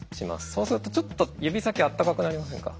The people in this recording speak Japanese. そうするとちょっと指先あったかくなりませんか？